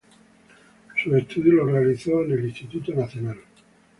Sus estudios los realizó en el Instituto Nacional.